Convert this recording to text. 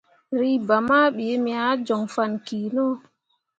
Reba ma ɓii me ah joŋ fah kino.